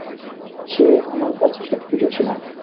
সে আমার কাছে সবকিছু ছিল।